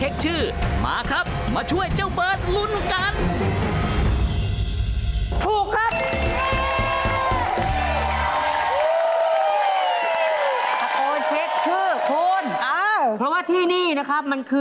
เพราะว่าที่นี่นะครับ